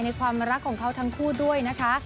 ความรักของเขาทั้งคู่ด้วยนะคะ